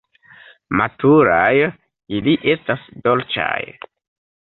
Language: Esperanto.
Maturaj ili estas dolĉaj.